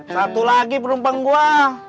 satu lagi penumpang gua